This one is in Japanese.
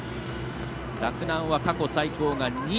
洛南は過去最高が２位。